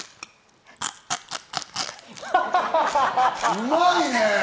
うまいね！